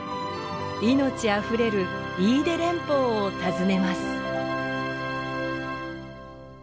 命あふれる飯豊連峰を訪ねます。